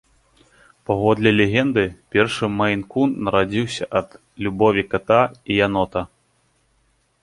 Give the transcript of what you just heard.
Паводле легенды, першы мэйн-кун нарадзіўся ад любові ката і янота.